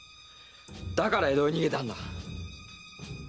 だから江戸へ逃げたんだ！